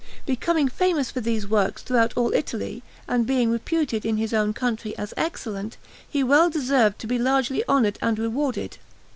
Becoming famous for these works throughout all Italy, and being reputed in his own country as excellent, he well deserved to be largely honoured and rewarded.